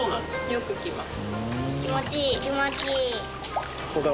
よく来ます。